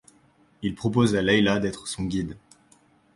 Il propose à Leïla d'être son guide.